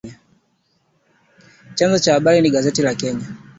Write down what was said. Chanzo cha habari hii ni gazeti la Kenya